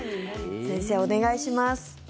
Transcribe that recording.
先生、お願いします。